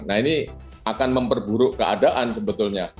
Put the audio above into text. nah ini akan memperburuk keadaan sebetulnya